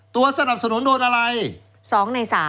สนับสนุนโดนอะไร๒ใน๓